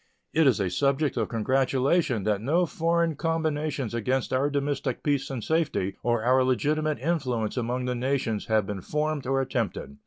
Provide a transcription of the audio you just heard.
It is a subject of congratulation that no foreign combinations against our domestic peace and safety or our legitimate influence among the nations have been formed or attempted.